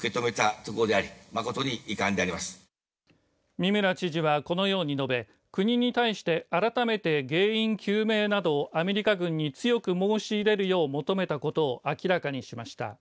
三村知事は、このように述べ国に対して改めて原因究明などをアメリカ軍に強く申し入れるよう求めたことを明らかにしました。